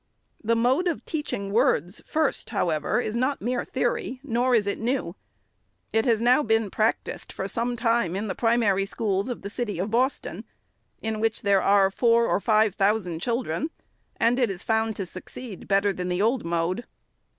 The mode of teaching words first, however, is not mere theory ; nor is it new. It has now been practised for some time in the primary schools of the city of Boston, — in which there are four or five thousand children, — and it is found to succeed 520 THE SECRETARY'S better than the old mode.